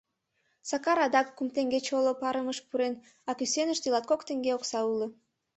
Сакар адак кум теҥге чоло парымыш пурен, а кӱсеныште латкок теҥге окса уло.